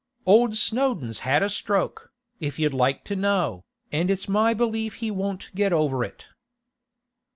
'Old Snowdon's had a stroke, if you'd like to know, and it's my belief he won't get over it.